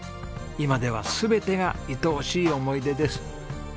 今では全てがいとおしい思い出です。